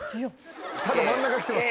ただ真ん中来てます。